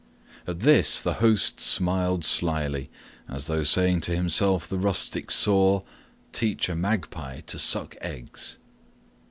At this the host smiled slyly, as though saying to himself the rustic saw, "Teach a magpie to suck eggs."